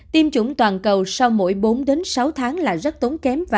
tiêm chủng toàn cầu sau mỗi bốn sáu tháng là rất tốn kém và